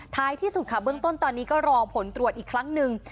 ท้ายที่สุดค่ะเบื้องต้นตอนนี้ก็รอผลตรวจอีกครั้งหนึ่ง